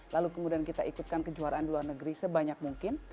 lalu kemudian kita ikutkan kejuaraan luar negeri sebanyak mungkin